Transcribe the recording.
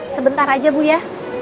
sebentar aja bu ya